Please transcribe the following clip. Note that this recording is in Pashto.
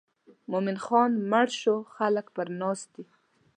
مومن خان مړ شو خلک پر ناست دي.